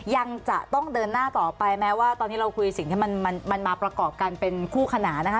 ยังจะต้องเดินหน้าต่อไปแม้ว่าตอนนี้เราคุยสิ่งที่มันมาประกอบกันเป็นคู่ขนานนะคะ